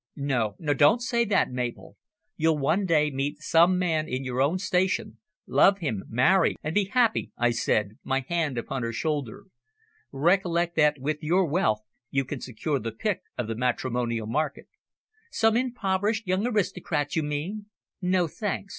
"No, no; don't say that, Mabel. You'll one day meet some man in your own station, love him, marry and be happy," I said, my hand upon her shoulder. "Recollect that with your wealth you can secure the pick of the matrimonial market." "Some impoverished young aristocrat, you mean? No, thanks.